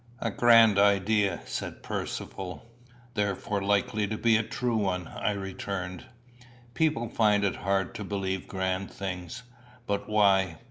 "A grand idea," said Percivale. "Therefore likely to be a true one," I returned. "People find it hard to believe grand things; but why?